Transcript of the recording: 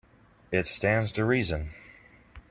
It stands to reason.